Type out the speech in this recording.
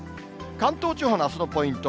関東地方のあすのポイント。